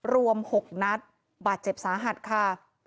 รวม๖นัดบาดเจ็บสาหัสค่ะ